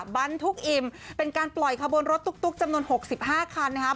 บรรทุกอิ่มเป็นการปล่อยขบวนรถตุ๊กจำนวน๖๕คันนะครับ